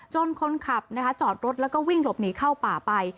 คนขับจอดรถแล้วก็วิ่งหลบหนีเข้าป่าไป